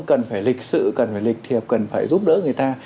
cần phải lịch sự cần phải lịch thì cần phải giúp đỡ người ta